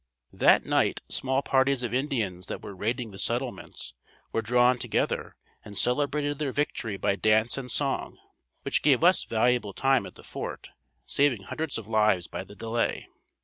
That night small parties of Indians that were raiding the settlements, were drawn together and celebrated their victory by dance and song, which gave us valuable time at the fort, saving hundreds of lives by the delay.